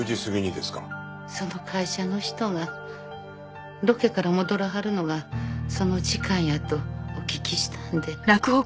その会社の人がロケから戻らはるのがその時間やとお聞きしたんで。